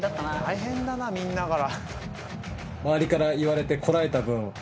大変だなみんなから。